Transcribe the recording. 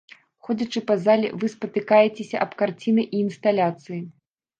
Ходзячы па зале, вы спатыкаецеся аб карціны і інсталяцыі.